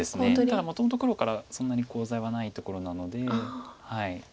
ただもともと黒からそんなにコウ材はないところなので。